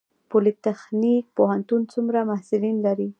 پولي تخنیک پوهنتون څومره محصلین لري؟